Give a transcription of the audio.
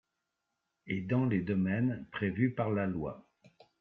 et dans les domaines prévus par la loi